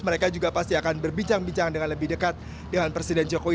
mereka juga pasti akan berbincang bincang dengan lebih dekat dengan presiden jokowi